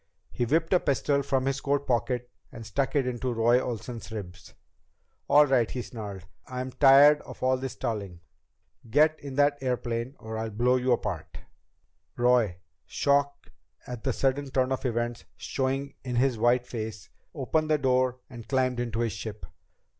He whipped a pistol from his coat pocket and stuck it in Roy Olsen's ribs. "All right," he snarled, "I'm tired of all this stalling! Get in that airplane or I'll blow you apart!" Roy, shock at the sudden turn of events showing in his white face, opened the door and climbed into the ship.